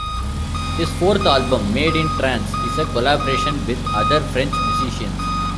His fourth album, "Made in Trance", is a collaboration with other French musicians.